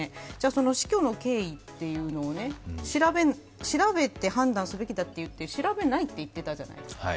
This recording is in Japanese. その死去の経緯というのを調べて判断すべきだといって調べないと言っていたじゃないですか。